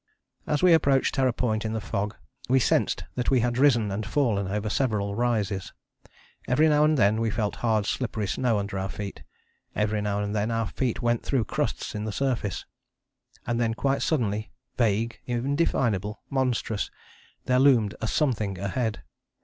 As we approached Terror Point in the fog we sensed that we had risen and fallen over several rises. Every now and then we felt hard slippery snow under our feet. Every now and then our feet went through crusts in the surface. And then quite suddenly, vague, indefinable, monstrous, there loomed a something ahead.